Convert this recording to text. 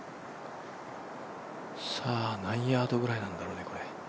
何ヤードぐらいなんだろうね、これ。